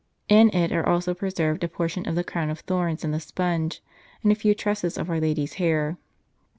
In it are also preserved a portion of the Crown of Thorns and the Sponge, and a few tresses of our Lady s hair.